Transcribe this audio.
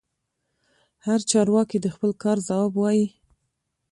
هر چارواکي د خپل کار ځواب وايي.